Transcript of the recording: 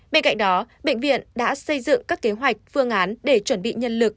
bên cạnh đó bệnh viện đã xây dựng các kế hoạch phương án để chuẩn bị nhân lực